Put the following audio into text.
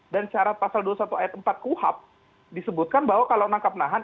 dan syarat pasal dua puluh satu ayat empat kuhp disebutkan bahwa kalau menangkap nahan